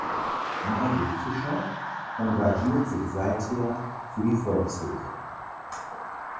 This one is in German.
Margit Fischer engagiert sich seither für die Volkshilfe.